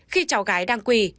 khi cháu gái đang quỳ